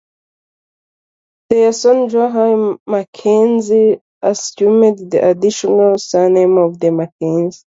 Their son, John Hay-Mackenzie, assumed the additional surname of Mackenzie.